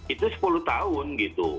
itu sepuluh tahun gitu